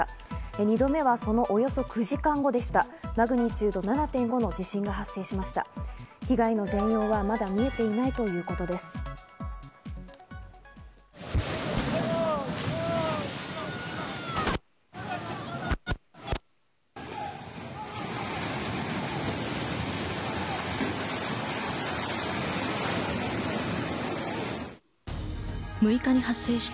２度目はそのおよそ９時間後でした、マグニチュード７．５の地震が発生しました。